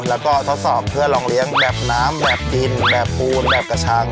แล้วก็ทดสอบเพื่อลองเลี้ยงแบบน้ำแบบดินแบบปูนแบบกระชัง